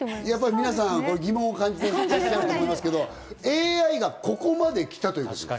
皆さん、疑問を感じらっしゃると思いますけれど、ＡＩがここまで来たということです。